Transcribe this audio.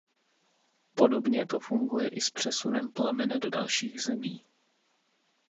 Podobně to funguje i s přesunem plamene do dalších zemí.